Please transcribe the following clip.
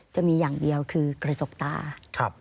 จะมีอย่างเดียวคือกระจกตา